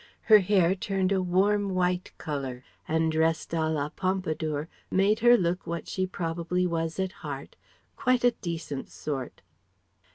Her hair turned a warm white colour, and dressed à la Pompadour made her look what she probably was at heart quite a decent sort.